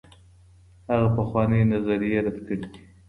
هغه پخوانۍ نظريې رد کړي دي.